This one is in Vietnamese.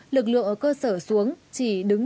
lực lượng ở cơ sở xuống chỉ đứng